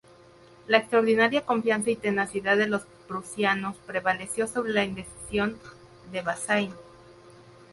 La extraordinaria confianza y tenacidad de los prusianos prevaleció sobre la indecisión de Bazaine.